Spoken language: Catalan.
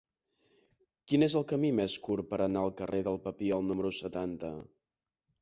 Quin és el camí més curt per anar al carrer del Papiol número setanta?